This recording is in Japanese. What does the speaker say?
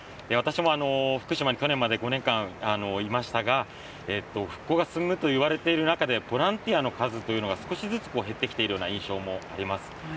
私も福島に去年まで５年間いましたが、復興が進むといわれている中で、ボランティアの数というのが少しずつ減ってきているような印象もあります。